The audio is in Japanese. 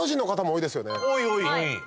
多い多い。